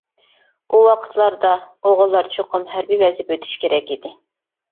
ئۇ ۋاقىتلاردا ئوغۇللار چوقۇم ھەربىي ۋەزىپە ئۆتۈشى كېرەك ئىدى.